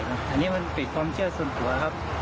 อันนี้มันผิดความเชื่อส่วนตัวครับ